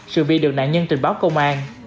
sự bị được nạn nhân trình báo công an